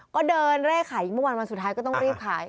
ก็เดินเร่ขายเมื่อวานวันสุดท้ายก็ต้องรีบขาย